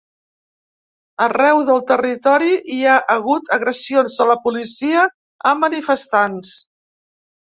Arreu del territori hi ha hagut agressions de la policia a manifestants.